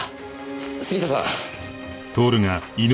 杉下さん。